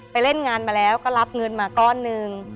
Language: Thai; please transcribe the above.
เล่นงานมาแล้วก็รับเงินมาก้อนหนึ่ง